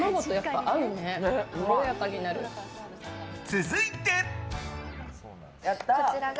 続いて。